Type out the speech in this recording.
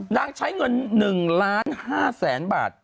นางใช้เงิน๑๕๐๐๐๐๐บาท